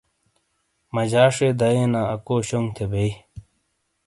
مجا شے دئیینا اکو شونگ تھے بئیی۔